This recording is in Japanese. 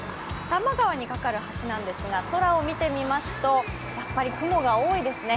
多摩川にかかる橋なんですが、空を見てみますとやっぱり雲が多いですね。